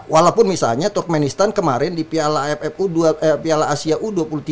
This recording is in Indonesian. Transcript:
walaupun misalnya turkmenistan kemarin di piala asia u dua puluh tiga